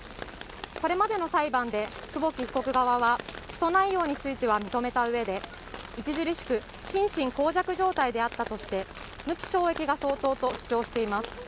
これまでの裁判で久保木被告側は起訴内容については認めた上で著しく心神耗弱状態であったとして無期懲役が相当と主張しています